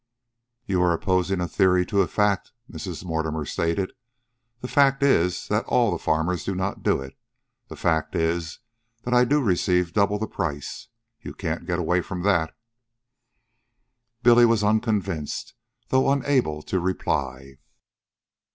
"You are opposing a theory to a fact," Mrs. Mortimer stated. "The fact is that all the farmers do not do it. The fact is that I do receive double the price. You can't get away from that." Billy was unconvinced, though unable to reply.